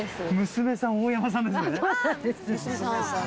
娘さん大山さんですね？